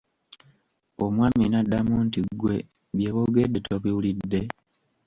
Omwami n'addamu nti Ggwe bye boogedde tobiwulidde?